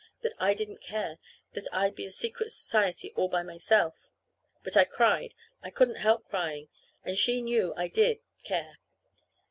That I didn't care; that I'd be a secret society all by myself. But I cried. I couldn't help crying; and she knew I did care.